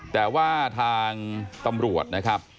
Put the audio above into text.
แต่ว่าทางตำรวจนะครับ